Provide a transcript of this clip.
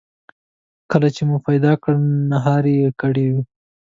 کله چې مو پیدا کړل نهاري یې کړې وه.